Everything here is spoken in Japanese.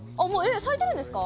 咲いてるんですか？